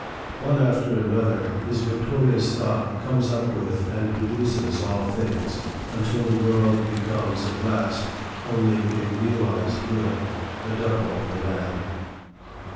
One after another, his victorious thought comes up with and reduces all things, until the world becomes, at last, only a realized will, the double of the man.